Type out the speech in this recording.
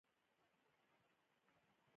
یو شمېر نور یې سایبریا ته تبعید کړل.